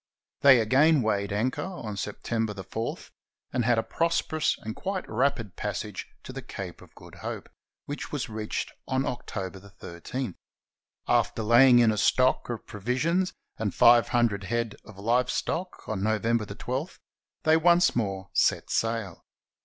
They again weighed anchor on September 4, and had a prosperous and quite rapid pas sage to the Cape of Good Hope, which was reached on October 13. After laying in a stock of provisions and five hundred head of live stock, on November 12 they once more set sail.